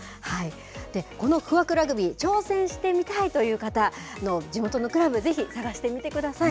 この不惑ラグビー、挑戦してみたいという方、地元のクラブ、ぜひ探してみてください。